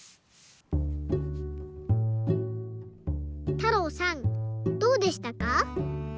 たろうさんどうでしたか？